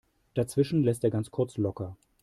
Dazwischen lässt er ganz kurz locker.